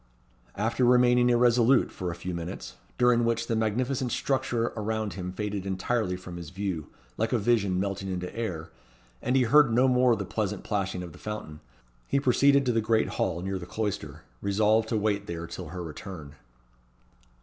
After remaining irresolute for a few minutes, during which the magnificent structure around him faded entirely from his view like a vision melting into air, and he heard no more the pleasant plashing of the fountain, he proceeded to the great hall near the cloister, resolved to wait there till her return.